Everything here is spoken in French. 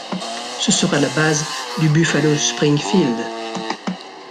Ce sera la base du Buffalo Springfield.